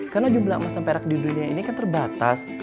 karena jumlah emas dan perak di dunia ini kan terbatas